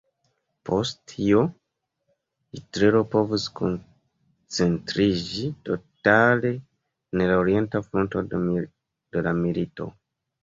Post tio, Hitlero povus koncentriĝi totale en la Orienta Fronto de la milito.